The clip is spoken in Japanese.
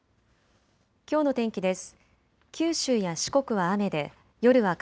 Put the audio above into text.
きょうの天気です。